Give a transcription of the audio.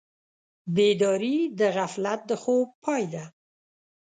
بیداري د غفلت د خوب پای ده.